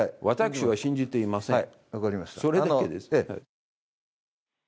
私は信じていません。